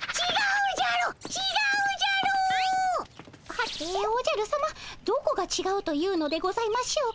はておじゃるさまどこがちがうというのでございましょうか。